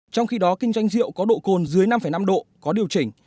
trong khi đó kinh doanh rượu có độ cồn dưới năm năm độ có điều chỉnh